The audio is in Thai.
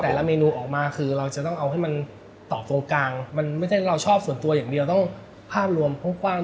แต่ละเมนูออกมาคือเราจะต้องเอาให้มันตอบตรงกลาง